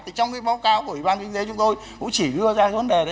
thì trong cái báo cáo của ủy ban kinh tế chúng tôi cũng chỉ đưa ra cái vấn đề đấy